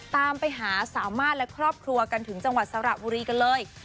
ตามไปหาสามารถและครอบครัวกันถึงจังหวัดสระบุรีกันเลย